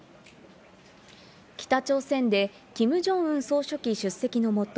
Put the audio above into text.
北朝鮮でキム・ジョンウン総書記出席のもと